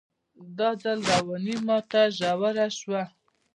دا ځل رواني ماته ژوره شوه